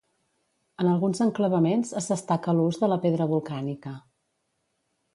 En alguns enclavaments es destaca l'ús de la pedra volcànica.